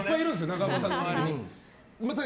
中岡さんの周りに。